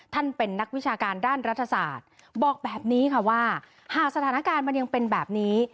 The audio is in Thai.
เป็นนักวิชาการด้านรัฐศาสตร์บอกแบบนี้ค่ะว่าหากสถานการณ์มันยังเป็นแบบนี้